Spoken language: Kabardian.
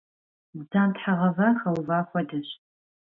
Бдзантхьэ гъэва хэува хуэдэщ.